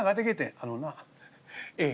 「あのなええ